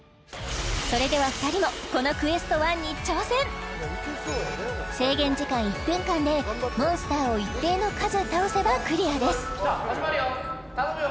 それでは２人もこのＱＵＥＳＴ１に挑戦制限時間１分間でモンスターを一定の数倒せばクリアですきた始まるよ頼むよ